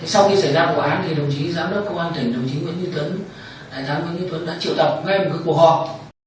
sau khi xảy ra vụ án thì đồng chí giám đốc công an tỉnh đồng chí nguyễn duy tuấn đã triệu tộc ngay một cuộc họp